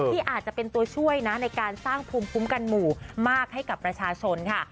ที่อาจจะเป็นตัวช่วยนะในการสร้างภูมิคุ้มกันหมู่มากให้กับประชาชนค่ะ